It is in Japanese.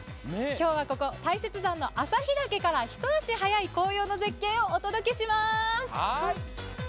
今日は大雪山の旭岳からひと足早い紅葉の絶景をお届けします。